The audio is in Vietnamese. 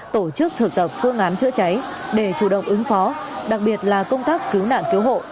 tổ chức thực tập phương án chữa cháy để chủ động ứng phó đặc biệt là công tác cứu nạn cứu hộ